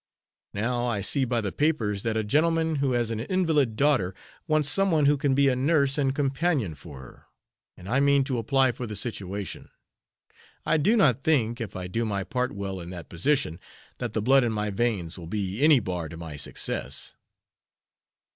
Now, I see by the papers, that a gentleman who has an invalid daughter wants some one who can be a nurse and companion for her, and I mean to apply for the situation. I do not think, if I do my part well in that position, that the blood in my veins will be any bar to my success."